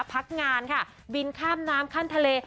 พักงานค่ะบินข้ามน้ำข้ามทะเล